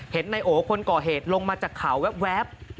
นายโอคนก่อเหตุลงมาจากเขาแว๊บ